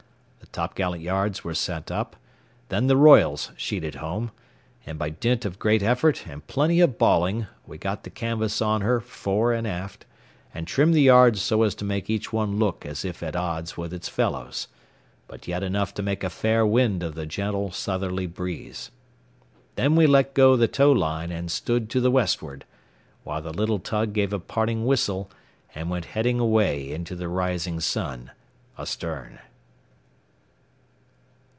The t'gallant yards were sent up, then the royals sheeted home, and by dint of great effort and plenty of bawling we got the canvas on her fore and aft and trimmed the yards so as to make each one look as if at odds with its fellows, but yet enough to make a fair wind of the gentle southerly breeze. Then we let go the tow line and stood to the westward, while the little tug gave a parting whistle and went heading away into the rising sun astern.